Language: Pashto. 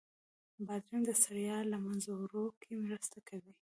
بادرنګ د ستړیا له منځه وړو کې مرسته کوي.